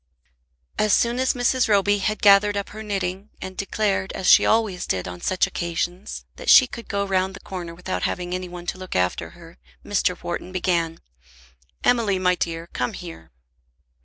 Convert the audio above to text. As soon as Mrs. Roby had gathered up her knitting, and declared, as she always did on such occasions, that she could go round the corner without having any one to look after her, Mr. Wharton began. "Emily, my dear, come here."